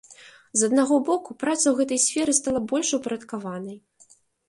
З аднаго боку, праца ў гэтай сферы стала больш упарадкаванай.